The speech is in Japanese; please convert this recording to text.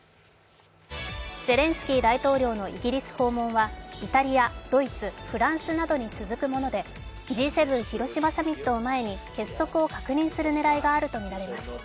ゼレンスキー大統領のイギリス訪問はイタリア、ドイツ、フランスなどに続くもので、Ｇ７広島サミットを前に結束を確認する狙いがあるとみられます。